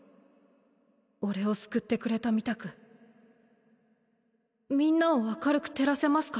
俺を救ってくれたみたくみんなを明るく照らせますか？